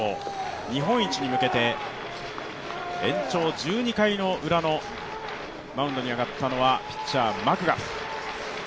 日本一に向けて、延長１２回ウラのマウンドに上がったのはピッチャー・マクガフ。